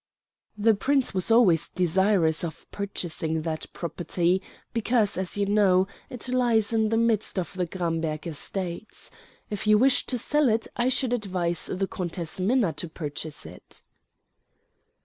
"The Prince was always desirous of purchasing that property, because, as you know, it lies in the midst of the Gramberg estates. If you wish to sell it I should advise the Countess Minna to purchase it."